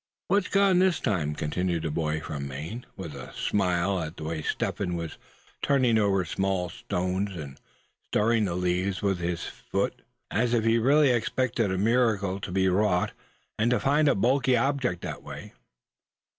"What's gone this time?" continued the boy from Maine, with a smile at the way Step Hen was turning over small stones, and stirring the leaves with his foot, as if he really expected a miracle to be wrought, and to find a bulky object that way.